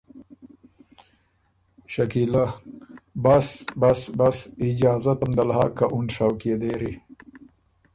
شکیلۀ: ”بس۔۔بس۔۔بس۔۔اجازته م دل هۀ که اُن شوق يې دېري۔